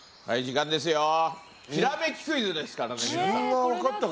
「ひらめきクイズです」からね皆さん。